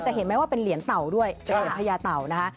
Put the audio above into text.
เห็นไหมว่าเป็นเหรียญเต่าด้วยเป็นเหรียญพญาเต่านะคะ